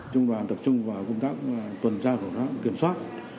trung đoàn tập trung vào công tác tuần tra khẩu trang kiểm soát